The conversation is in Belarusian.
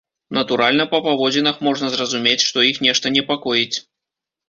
Натуральна, па паводзінах можна зразумець, што іх нешта непакоіць.